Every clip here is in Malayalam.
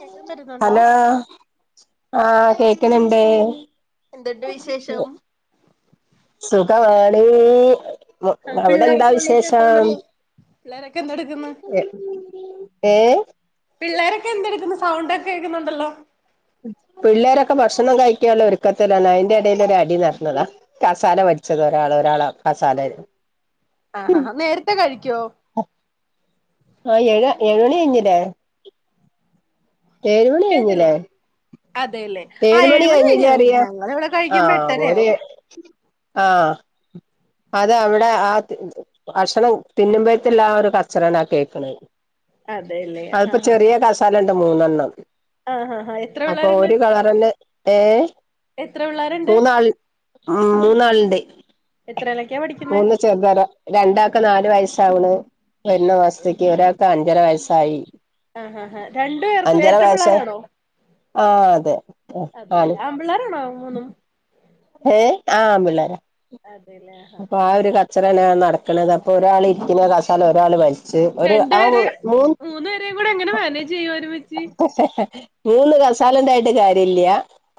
കേക്കാൻ പറ്റുന്നുണ്ടോ ഹലോ ആഹ് കേക്ക്ണണ്ട് എന്തുണ്ട് വിശേഷം സുഖാണ് ആ അവിടെ പിള്ളേരെ എന്താ സൗണ്ട് വിശേഷം കേൾക്കുന്നുണ്ടല്ലോ പിള്ളേരൊക്കെ എന്തെടുക്കുന്നു ഏഹ് പിള്ളേരൊക്കെ എന്തെട്ക്കുന്നു സൗണ്ട് ഒക്കെ കേക്ക്ന്നുണ്ടല്ലോ പിള്ളേരൊക്കെ ഭക്ഷണം കഴിക്കാള്ള ഒരുക്കത്തിലാണ് അയിന്റെ എടേലൊര് അടി നടന്നതാ കസാല വലിച്ചതാ ഒരാള് ഒരാളെ കസാലേല് ആഹ് ആഹ് നേരത്തെ കഴിക്കോ ഉം ആഹ് ഏഴ ഏഴു മണി കഴിഞ്ഞിലേ ഏഴ്‌ മണി കേട്ടില്ല കഴിഞ്ഞിലേ അതെല്ലേ ആ ഏഴ്‌ മണി ഏഴുമണി കഴിഞ്ഞാ കഴിഞ്ഞില്ലേറിയാ ഞങ്ങള് ഇവിടെ കഴിക്കുമ്പോ ആഹ് ഓര് എട്ടരയാവും ആഹ്‌ അത് അവ്ടേ ആ അക്ഷണം തിന്ന്മ്പഴത്തള്ളാ ആ ഒരു കച്ചറേണാ കേക്ക്ണത് അതെല്ലേ അത്പ്പോ ആഹ് ചെറ്യേ ആഹ് കസാലണ്ട് മൂന്നെണ്ണം ആഹ് ആഹ് എത്ര അപ്പൊ പിള്ളേരുണ്ട് ഒരു കളറന്നെ ഏഹ് എത്ര പിള്ളേരുണ്ട് മൂന്നാള് മൂന്നാള്ണ്ടയ് എത്രേലെക്കെ പഠിക്ക് ഒന്ന് ചെർതാ ര രണ്ടാക്ക് നാല് വയസ്സാവ്ണ് വരുന്ന അതെ മാസത്തേയ്ക്ക് ഒരാൾക്ക് അഞ്ചര വയസ്സായി ആഹ് ആഹ് ആഹ് രണ്ടു പേർക്കും അഞ്ചര ഇരട്ട വയസ്സാ പിള്ളേരാണോ ആഹ് അതെ ആണ് പിള്ളേരാണോ മൂന്നും ഏ ആഹ് ആൺ പിള്ളേരാ അതെലേ അപ്പൊ ആ ഒരു കച്ചറേണാ നടക്കണത് അപ്പൊ ഒരാൾ ഇരിക്ക്ന്ന കസാല ഒരാള് വലി ച്ച് ഒര് ആഹ് രണ്ടുപേരെ മൂന്ന് മൂന്നു പേരെയും കൂടെ എങ്ങനെ മാനേജ് ചെയ്യും ഒരുമിച്ച് മൂന്ന് ഹ് ഹ് ഹ് മൂന്ന് കസാലണ്ടായിട്ട് കാര്യല്ല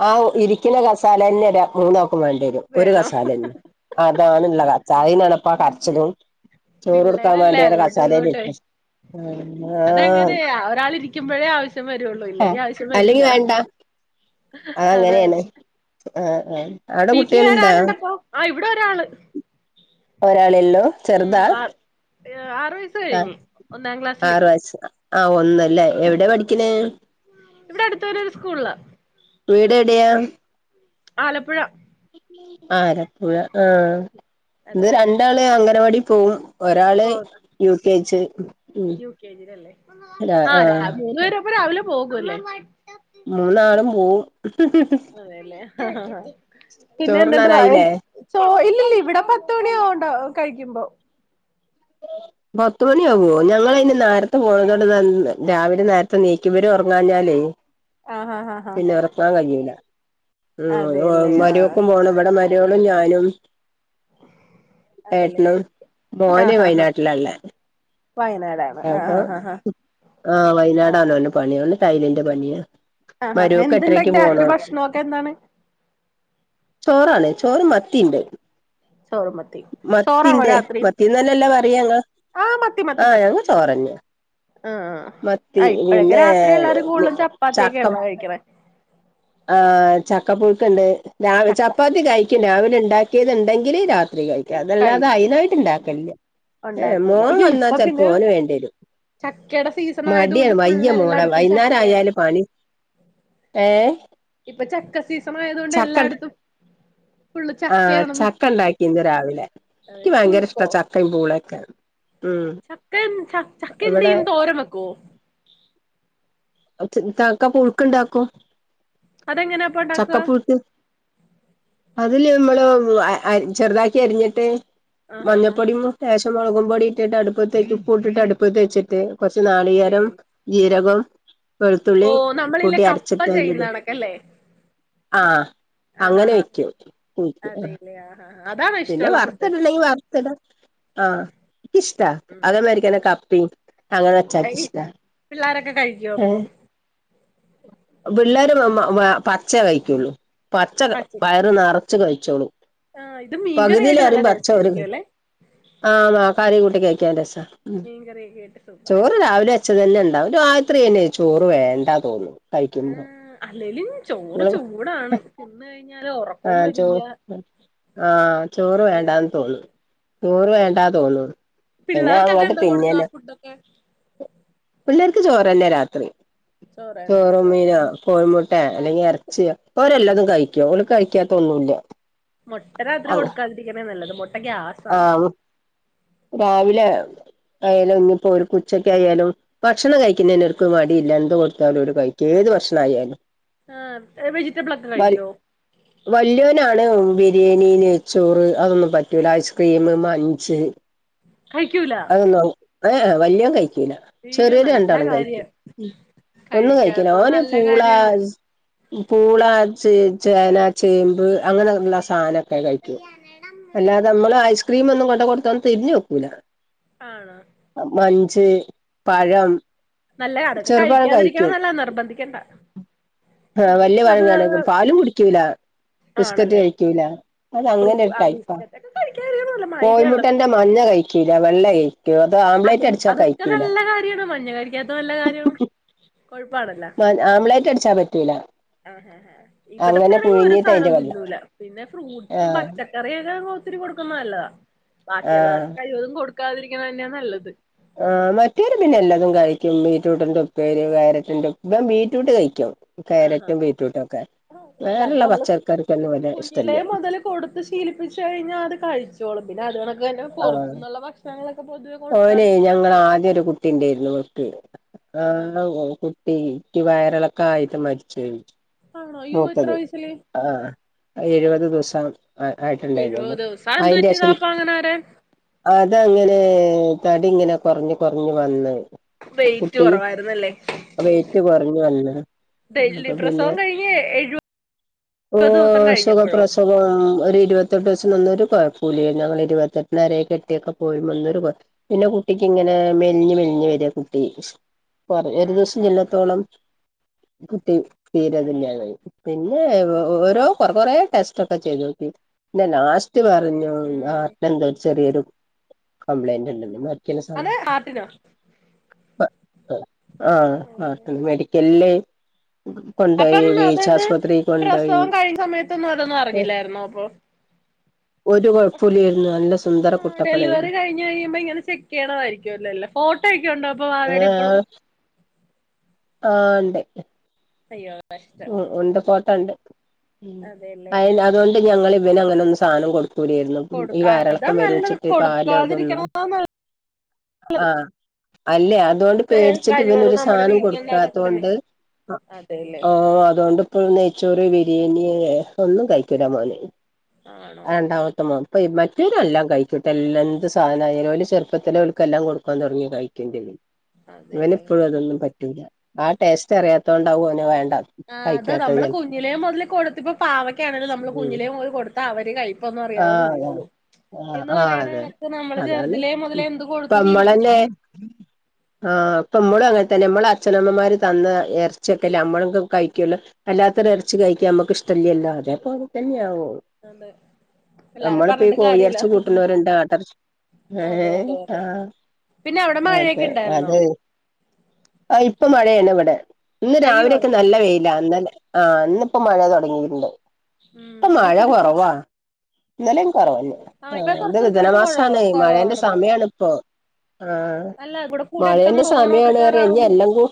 ആ ഒ ഇരിക്ക്ന്ന കസാലന്നെ ബേ മൂന്നാക്കും വേണ്ടേരും ഒ ഒരു വേണം കസാലന്നെ അതാണ്ള്ള കച്ച അയിനാണ്പ്പ ആ കരച്ചിലും ചോറൊട്ക്കാ പിള്ളേരല്ലേ വേണ്ടിയാണ് അങ്ങോട്ടും ഇങ്ങോട്ടേ കാസലേലിര്ത്തി അതങ്ങനെ ആഹ് ഒരാൾ ഇരിക്കുമ്പോഴേ ആവശ്യം വരുള്ളൂ ഏ ഇല്ലെങ്കി ആവശ്യം അല്ലെങ്കി വരൂല വേണ്ടാ അത് അതാണ് അങ്ങനേണ് ആഹ് ആഹ് അവ്ടെ കുട്ട്യേൾണ്ടാ ആഹ് ഇവിടെ ഒരാള് ഒരാളല്ലോ ഉം ചെറുതാ ആ ആറ് വയസ്സ് ആഹ് കഴിഞ്ഞ് ഒന്നാം ക്ലാസ്സില് ആറ വ ആഹ് ഒന്നല്ലേ എവിടെ ഒന്നില്ല പഠിക്കണേ ഒന്ന ഇവിടെ അടുത്തൊര ഒരു സ്കൂള വീടെഡയ ആലപ്പുഴ ആലപ്പുഴ ആഹ് അതെ ഇത് അതെ അതെ രണ്ടാള് അംഗനവാടി പോകവും ഒരാള് പോന്ന യു കെച്ച് ഉ യു കെ ജിലല്ലേ അ ആ ആഹ് മൂന്നു പേരപ്പ രാവിലെ പോകല്ലേ മൂന്നാളം പോ ല്ല ആഹ് പിന്നെ എണ്ട് വായ ചോറുണ്ണാനായില്ലേ സോ ഇല്ലല്ല ഇവിടെ പത്തുമണിയാവണ്ടോ കഴിക്കുമ്പോ പത്ത മണിയാ പോ ഞങ്ങന് ആഹ് നേരത്തെ പോണതോണ്ട് ത രാവിലെ നേരത്തെ നീക്കിവരും ഉറങ്ങാഞ്ഞാലേ ആഹ് ആഹ് ആഹ് പിന്നെ വറക്കാൻ കഴിയൂല്ല ഉ അതെല്ലേ ആഹ് മരൊക്കും പോണം ഇവിടെ മരകോളും ഞാനും അതല്ലേ ഏട്ടന മോനെ ആഹ് ആഹ് ആഹ് വയനാട്ടിലല്ല വയനാടാണ് അപ്പ ആഹ് ആഹ് ആഹ് ആഹ് ആഹ് വയനാടന്ന പണിയ തൈ്ലൻ് പണിയ ആഹാ എന്തുണ്ടേ രാത്രി ഭക്ഷണൊക്കെ എന്താണ് ചോറാണ് ചോറ് മത്തിണ്ട് ചോറും മത്തിയും ചോറാണോ മത്തിൻ്റെ രാത്രി മത്തിന്നല്ലെ പറയ ങ്ങൾ ആഹ് മത്തി മത്തി ആഹ് മത്തി ഞങ്ങ ചോറഞ്ഞേ ആഹ് മത്തി ആഹ് ഇപ്പഴൊക്കെ പിന്നെ രാത്രി എല്ലാരും കൂടുതലും ചക്കം ചപ്പാത്തിയൊക്കെയാണല്ലോ കഴിക്കണേ ആഹ് ചക്കപ്പുഴുക്കുണ്ട് ചക്ക ചപ്പാത്തികഴിക്കും രാവിലെ ഉണ്ടാക്കിയത്ണ്ടെങ്കിൽ രാത്രി കഴും അതല്ലാതെ കഴിക്കും അയ്നായിട്ട് ഇണ്ടാക്കലില്ല ഏ ഉണ്ടാക്കൂല മോൻ വന്നാൽ ചെലപ്പോ ഓന് വേണ്ടി വരും ചക്കടെ മടിയാണ് വയ്യ മോളെ വൈന്നാരാ ചക്കയാണ് ആയല് പണി ഏ ഇപ്പ ചക്ക സീസണായ തോണ്ട് എല്ലാ ട്ത്തും ആഹ് ചക്കണ്ടാക്കിന്നുരാവിലെ ഇക്ക് വയങ്കര ഇഷ്ട പുഴുക്കോ ചക്ക ക്കിം പുളോക്കെ ചക്കി ചക്കിം ഇവിടെ [unintelligible] തോരം വെക്കുവോ ചക്ക പുഴുക്ക്ണ്ടാക്കും അതെങ്ങനെയാപ്പ ചക്ക ഉണ്ടാക്കുക പുുഴുക്ക് അതില് നമ്മള് ചെറുതാക്കി അരിഞ്ഞിട്ട് ആഹ് ആഹ് മഞ്ഞപ്പൊടിം ലേശം മുളകും പൊടി ഇട്ടിട്ട് അടുപ്പത്ത് ഉപ്പുട്ടിട്ട്അടുപ്പത്തച്ചിട്ട് കുറച്ച് വേ നാളികേരം ജീരകം വെളുത്തുള്ളി ഓ നമ്മളില്ലെ കൂട്ടി കപ്പ ചെയ്യുന്ന അരച്ചിട്ടതില്ടും കണക്കല്ലേ ആഹ് അങ്ങനെ വയ്ക്കും അതാ [unintelligible] പിന്നെ വറുത്ത്‌ടണെങ്കി വറ്‌ത്ത്‌ടാആഹ് ഇക്ക്ഷ്ടാ ഉം അതേമാതിരിക്കന്നെ കപ്പി അങ്ങനെ വച്ചാ ഇക്ക്ഷ്ട്ടാ പിള്ളോരൊക്കെ കഴിക്കുവോ ഏ അപ്പൊ പിള്ളേർ പച്ച കഴിക്കുള്ളൂ പച്ച വയറ് നറച്ച് കഴിച്ചോളൂ ആഹ് ഇത് മീ കറിആയിട്ട് ഓര് നല്ലടേസ്റ്റായിരിക്കും അല്ലെ ആഹ് ആഹ് കറികൂട്ടി കഴിക്കാൻ രസ മീകറി [unintelligible] സൂപ്പറായിക്കും ഉച്ചക്കന്നെ ഉണ്ടാവും ഒരു രാത്രി തന്നെ ചോറ് വേണ്ടാ തോന്നും കഴിക്കുമ്പോ ആഹ് അല്ലോലും ചോറ് ഇങ്ങള് ചൂടാണ് തിന്ന് കഴിഞ്ഞാല് ഉറക്കവും ആഹ് വരൂല [unintelligible] ആഹ് ചോറ് വേണ്ടാന്ന് തോന്നും ഒരുപാടായിട്ടായിരിക്കും ചോറ് വേണ്ടാ അതെല്ലേ തോന്നു പിന്നെ പിള്ളേർക്കൊക്കെ അങ്ങട്ട് എന്താ കൊടുക്കാ തിന്നേന. ഫുഡൊക്കെ പിള്ളേർക്ക് ചോറന്നെ രാത്രി ചോറ് ചോറോ തന്നെയാണല്ലേ മീനോ. കോഴിമുട്ടെ എല്ലെങ്കി എറച്ചിയ ഇപ്പെഓരെല്ലതും കഴിക്കും ഓര് കയിയ്കും കയിക്കാത്ത ഒന്നുല്ല. മുട്ട രാത്രി അങ്ങ് കൊടുക്കാതിരിക്കണ നല്ലത് മൊട്ട ഗ്യാസാണ്. ആഹ് രാവിലെ ആയാലും ഇനിപ്പോ ഒര്ക് ഉച്ചയ്ക് ആയാലും ഭക്ഷണം കഴിക്കുന്നന് ഓര്ക് മടില്ല എന്ത് കൊടുത്താലും ഓര് കഴിക്. [unintelligible] ആഹ് വെജിറ്റബിൾ ഒക്കെ കഴിക്കോ? വല്യാനാണ് ബിരിയണി നെയ്ചോറ് അതൊന്നും പറ്റൂല ഐസ്ക്രീം മഞ്ച് [inaudible] കയ്ക്കൂല? ഏ് വല്ല്യോൻ കയ്ക്കൂല. അയ്യോ ചെറിയോര് നല്ല രണ്ടാളും കയിക്കും കാര്യം ഒന്നും കയികൂല കഴിക്കാത്തത് ഓന് നല്ല പൂള കാര്യാണ് പൂളാച്ച് ചേന ചേമ്പ് അങ്ങനെ ള്ള സാനൊക്കെ കയ്ക്കും അല്ലാതെ അമ്മള് ഐസ് സ്ക്രീം ഒന്നു കൊണ്ട കൊട്ത്ത ഓന് തിരിഞ്ഞോകൂല. ആണോ? മഞ്ച് പഴം നല്ല അതൊക്കെ ചെറുപഴം കഴിക്കാതിരിക്കണ കയ്ക്കും. നല്ല നിർബന്ധിക്കണ്ട ആഹ വല്ല്യ ഫ്രൂട്ട്സ് അത് [unintelligible] പാലും കുടിക്കൂല. ബിസ്കറ്റ് ആണല്ലേ കയ്ക്കൂല അത് ഫ്രൂ അങ്ങനെ ഒര് ആഹ് ടൈപ്പാ ബിസ്ക്കറ്റ് ഒക്കെ കഴിക്കാതിരിക്കണ നല്ല മൈദയുള്ള ഫ്രൂ കോഴിമുട്ടന്റെ മഞ്ഞ കയ് കീല്ല വെള്ളെ [inaudible] അതൊക്കെ നല്ല കാര്യമാണ് മഞ്ഞ കഴിക്കാത്ത നല്ല കാര്യമാണ് കൊഴപ്പണല്ലോ ആംലേറ്റ് അടിച്ചാ പറ്റൂല. ആഹ് ആഹ് ആഹ് ഇവടത്തെ അങ്ങനെ ആണെങ്കി ഒരു പുഴുങ്ങിട്ട് സാനു അതിന്റെ വെള്ള തിന്നൂല പിന്നെ ഫ്രൂട്ട്സും ആഹ് പച്ച കറിയൊക്ക ഒത്തിരി കൊടുക്കുന്നെ നല്ലതാ ബാക്കി എല്ലാ ആഹ് കഴിവതും കൊടുക്കാതിരിക്കുന്നെ ന്ന നല്ലത്. ആഹ് മറ്റേര് പിന്നെ എല്ലതും കഴിക്കും ബീട്രൂട്ടിന്റെ ഉപ്പേരി കരറ്റിന്റെ ഉ ഇവൻ ബീറ്റ്രൂട്ട് കയ്ക്കും. കേരറ്റും ബീറ്റൂട്ടുംക്കെ. അല്ല അത് അമ്ള് കുഞ്ഞിലെ ഇഷ്ടല്ല മൊതല് കൊടുത്ത് ശീലിപ്പിച്ച് കഴിഞ്ഞാ അത് കഴ ചോളും പിന്നെ അത് ക്കണക്ക് തന്നെ ആഹ് പൊറത്തുന്നുള്ള ഭക്ഷണങ്ങളൊക്കെ പൊതുവെ ഓനെ കൊടുക്കാതിരിക്കണ ഞങ്ങളെ നല്ലത് ആദ്യ ഒരു കുട്ടി ഒണ്ടേരുന്നു വക്ക് ആഹാ ആഹ് ഓ ട്ടിയ്ക് വയറിളക്ക ആയിറ്റ് മരിചോയ്. ആണോ അയ്യോ എത്ര വയസില്? ആഹ് എഴുപത് ദിവസം. ആഹ് ആയിട്ടുണ്ടായ്നു എഴുപത് ഒന്ന് ദിവസം അതെന്ത് പറ്റിയതാ അയിന്റെഷം അപ്പ അങ്ങനെ വരാൻ അതങ്ങനെ തടി ഇങ്ങനെ കൊറഞ്ഞ് കൊറഞ്ഞ് വന്ന്. വെയിറ്റ് കുട്ടി കുറവായിരുന്നല്ലേ വെയ്റ്റ് കൊറഞ്ഞ് വന്ന്. അപ്പൊ പിന്നെ പ്രസവം കഴിഞ്ഞ് എഴുപത് ദിവസം കഴിഞ്ഞപ്പോഴോ? ഓ സുഖപ്രസവം ഒരു ഇരുപത്തെട്ട് ഓസം നിന്നൊരു കൊഴപ്പുല്ലെനു ഞങ്ങൾ ഇരുപത്തെട്ടിനരെ കെട്ടിക്കെ പോര്മ്പോ ഒന്നൊരു കൊ പിന്നെ കുട്ടിക്ക് ഇങ്ങനെ മെലിഞ്ഞ് മെലിഞ് വെര കുട്ടി. കൊറേ ദിവസം ചെല്ലത്തോളം കുട്ടി തീരെ തില്ലാതായ്. പിന്നെ ഓരോ കൊറെ കൊറെ ടെസ്റ്റ് ഒക്കെ ചെയ്തോ ക്കി. ഇന്ന ലാസ്റ്റ് പറഞ്ഞു ഹാർട്ട് എന്തോ ചെറിയൊരു കംപ്ലൈന്റ് ണ്ടെന്ന്. രിക്ണെ സ അതെ ഹാർട്ടിനോ പ അ ആഹ് ഹാർട്ടിന് മെഡി എല്ലേ അപ്പം അതാത് ഈ പ്രസവം കഴിയുന്ന സമയത്തൊന്നും അതൊന്നും അറിഞ്ഞില്ലായിരുന്നോ അപ്പൊ? ഒരു കൊഴപ്പുല്ലായിരുന്നു നല്ല സുന്ദര കുട്ടപ്പനായിരുന്നു. ങ്ങ കഴുമ്പോ ഇങ്ങെ ചെക്ക് ചെയ്യണയിരിക്കുംല്ലോല്ലെ ഫോട്ടോ ഒക്കെ ഒണ്ടോ അപ്പൊ വാവെടെ ഇപ്പളും? ഏഹ് ആഹ് ഇണ്ട്. അയ്യോ കഷ്ടം ഉം ഉണ്ട് ഫോട്ടണ്ട് അതെല്ലേ അയ് ആഹ് ആഹ് അതുകൊണ്ട് ആഹ് ഞങ്ങള് ഇവന് അങ്ങനെ ഒന്നും സാധനം കൊടു കുടിയിരുന്നു ഈ കൊടുക്കാ അതാ വയറളക്കം നല്ലത് വരൂച്ചിട്ട് പാല അതൊന്നു കൊടുക്കാതിരിക്കണം ആഹ് അല്ലെ അതുകൊണ്ട് പേടിച്ചിട്ട് കഴിവതും ഇവനൊരു നമ്മുടെ സാധനം വീട്ടിലുണ്ടാക്കണതൊക്കെ തന്നെ കൊടുക്കാതോണ്ട് അതെല്ലേ ആഹ് അതുകൊണ്ട് ഇപ്പോ നെയ്ച്ചോറ് ബിരിയാണി ഒന്നും കഴിക്കൂല മോന് ആണോ രണ്ടാമത്തെ മോൻ അപ്പ മറ്റോരൊല്ലാം കഴിക്കുട്ട എല്ലാ എന്ത് സാനായാലും ഓല് ചെറുപ്പത്തിലെ ഓല്ക്ക്ല്ലാം കൊടുക്കാൻ തുടങ്ങി കഴിക്കും ചെയ്യും ഇവൻ അതെല്ലേ ഇപ്പോഴും അതൊന്നും പറ്റൂല്ല ആഹ് ടേസ്റ്റ് അറിയാത്തോണ്ടാവും അവന് വേണ്ട ആ അതാ കഴിക്കാത്തത് നമ്മള് ചെലപ്പോ കുഞ്ഞിലേ മുതല് കൊടുത്തിപ്പൊ പാവക്കാണേലും നമ്മള് കുഞ്ഞിലേ മുതൽ കൊടുത്ത അവര് കഴിക്കും ഇപ്പൊന്നും അറിയാവത് ആഹ് ഇല്ലാലോ ആഹ് എന്ന് ആഹ് പറയണ അതെ ഇടക്ക് നമ്മള് അതാണ് ചെറുതിലെ മുതലേ എന്ത് ഇപ്പ കൊടുത്തു നമ്മളന്നെ ശീലിപ്പിക്കണം ആഹ് ഇപ്പ മ്മളും അങ്ങനെ തന്നെ മ്മള് അച്ഛനമ്മമാര് തന്ന ഇറച്ചിയൊക്കെല്ലെ നമ്മള്ത് കഴിക്കുല്ലോ അല്ലാത്തൊര് ഇറച്ചി കഴിക്കാ നമക്ക് ഇഷ്ടല്ല്യല്ലോ അതേപോലെ തന്നെ ആവും അതെ പിള്ളാരെ നമ്മളിപ്പ ഈ പറഞ്ഞിട്ട് കാര്യല്ല കോഴിറച്ചി കൂട്ടുന്നോരുണ്ട് ആട്ടറചി അതെ അതെ ഏഹ് അതെ ആഹ് പിന്നെ അവിടെ മഴയൊക്കെ അതെ ഉണ്ടായിരുന്നോ അതെ ആഹ് ഇപ്പൊ മഴയാണ് ഇവിടെ ഇന്ന് രാവിലെയൊക്കെ പെയ്യുവാണോ നല്ല വെയില ഇന്നലെ ആഹ് ഇന്നിപ്പോ മഴ തുടങ്ങിയിട്ടുണ്ട് ഉം ഇപ്പൊ ഇവിടെ മഴ ഇപ്പ ദേ കുറവാ ഇന്നലെയും കുറവന്നെ ആ ഇപ്പൊ കുറച്ച് ഇത് ദിവസമായിട്ട് കൊറവ ധനമാസാണ് മഴേന്റെ കൊറവാണ് മഴ സമയാണ് ഇപ്പോ ആഹ് അല്ല ഇവിടെ കൂടെ എടുത്തമ്മ മഴേന്റെ ഓണോക്കെ സമയാണ് പറയാ ഇനി [unintelligible] എല്ലാം കൂ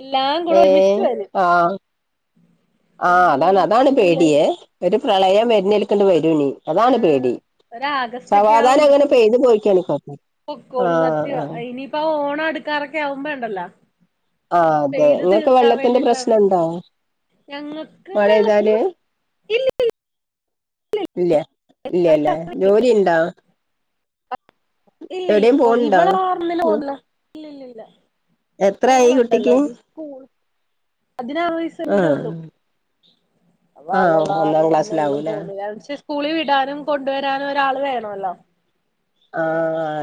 എല്ലാം കൂടെ ഏഹ് ഒരുമിച്ച് വെരും ആഹ് ആഹ് അതാണ് അതാണ് പേടിയെ ഒരു പ്രളയം വരുന്നേൽക്ക് വരൂള്ളു ആ അതാണ് പേടി ഒരു ആഗസ്റ്റ് സമാധാനം അങ്ങനെ പെയ്തു പോയിക്കാണ് ഇപ്പൊ പൊക്കോള് സത്യ ഇനിയിപ്പ ഓണം അടുക്കാറൊക്കെ ആവുമ്പോണ്ടല്ലോ ആ അതെ ഇങ്ങക്ക് വെള്ളത്തിന്റെ പ്രശ്നണ്ടാ ഞങ്ങൾക്ക് വെള്ളത്തിൻ്റെ പ്രശ്നം ഇല്ലി ല്ല ഇല്ല ഇല്ലല്ല, ജോലി ഉണ്ടോ? ഇല്ലല്ല ഇപ്പൊ പോണുണ്ടോ ഇവടെ വർന്നില ഉം പോന്നില്ല ഇല്ലല്ലല്ല എത്രായി മോളുണ്ടല്ലോ കുട്ടിക്ക് അത് സ്കൂൾ അതിന ആഹ് ആഹ് ഒന്നാം ക്ലാസ്സിലാവൂലേ [unintelligible] സ്കൂളിവിടാനും കൊണ്ടുവരാനും ഒരാൾ വേണോല്ലോ ആ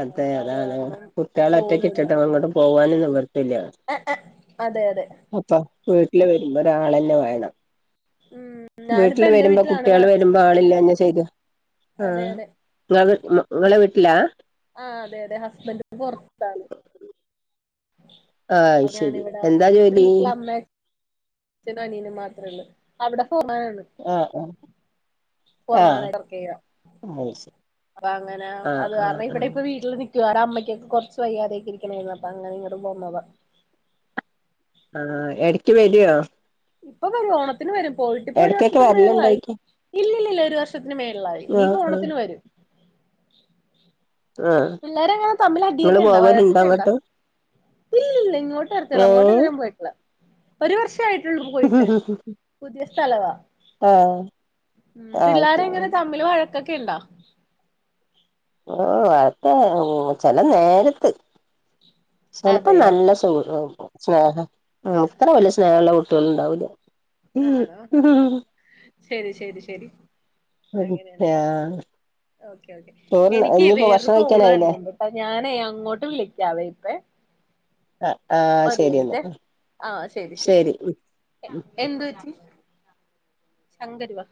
അതെ അത് അതാണ് കാരണം കുട്ടിയാളെ പോകുന്നില്ല ഒറ്റക്കിട്ടിട്ട് അങ്ങോട്ട് പോവാനും നിവൃത്തില്ല ആ അതെ അതെ അപ്പൊ വീട്ടിൽ വരുമ്പോ ഒരാളന്നെ വേണം ഉം വീട്ടിൽ ഞാനിപ്പോ എന്റെ വരുമ്പോ വീട്ടിലാണ് കുട്ടികൾ വ വരുമ്പോ ആളില്ലാഞ്ഞാ ശെരി ആ അതെ അതെ ഞാള ഇങ്ങളെ വീട്ടിലാ ആ അതെ അതെ ഹസ്ബൻഡ് ഇപ്പൊ പൊറത്താണ്. ആഹ് അയ് ശെരി. ഞാനിവിടെ എന്താ ജോലി? ച്ചനും അനിയനും മാത്രേള്ളൂ അവിടെ [unintelligible] ആഹ് ആ ഫോർമനായി വർക്ക് ആഹ് അത് ശരി ചെയ്യാഅപ്പൊ അങ്ങനെ ആഹ് അത് ആഹ് കാരണം ആഹ് ഇവിടെ ഇപ്പ വീട്ടിൽ നി ഇവരെ അമ്മക്കെ കുറച്ച് വയ്യാതേട്ട് ഇരിക്ക്ണേനു അപ്പ അങ്ങനെ ഇങ്ങട്ട് പോന്നതാ. ആ എടക്ക് വെരോ ഇപ്പൊ വരും ഓണത്തിന് വരും പോയിട്ട് ഇപ്പൊ ഒരു എടക്കൊക്കെ വർഷത്തിന് മേളിലായി വരല്ണ്ടായിക്ക ഇല്ലില്ലില്ല ഒരു വർ ത്തിന് മേളിലായി ആഹ് ഇനിയിപ്പോ ആഹ് ഓണത്തിന് വരും ആഹ് പിള്ളേരെങ്ങനെ തമ്മിൽ അടിയൊക്കെ ഇങ്ങള് ഉണ്ട പോവലുണ്ടോ വഴക്കൊക്കെ ഉണ്ടാ? അങ്ങട്ട് ഇല്ലല്ല ഇങ്ങോട്ട് വരത്തില്ല അങ്ങോട്ട് ഏഹ് ഇതുവരേം പോയിട്ടിള്ള ഒരു വർഷമായി മ് പോയിട്ട് പുതിയ സ്ഥലവാ ആഹ് ആഹ് പിള്ളേരെങ്ങനെ ശരി തമ്മില് വഴക്കൊക്കെ ഇണ്ടോ? ഓ അതെ ഉം ചെല നേരത്ത് ചിലപ്പോ അതെയോ നല്ല സു സ്നേഹ ഇത്ര വലിയ സ്നേഹള്ള കുട്ടിയോൾ ഇണ്ടാവൂല്ല. ആണോ ആഹ് ശരി ശരി ശരി അങ്ങനെയാണ്ലേ ആഹ് ഓക്കെ ഓക്കേ ചോറ് എനിക്ക് ഇഞ്ഞിപ്പോ വേറൊരു ഭക്ഷണം കോള് കഴിക്കാനായില്ലേ വരണണ്ട് ഞാനേ അങ്ങോട്ട് വിളിക്കാവേ ഇപ്പ ആഹ് ആഹ് ശരി എന്നാ ശരി [unintelligible] ശങ്കരി വഹ